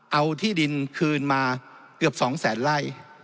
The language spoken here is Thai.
เอาที่ดินคืนมาเกือบ๒แสนไล่